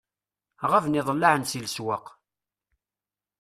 Ɣaben iḍellaɛen si leswaq.